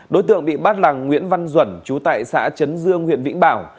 đối tượng bị bắt là nguyễn văn duẩn chú tại xã trấn dương huyện vĩnh bảo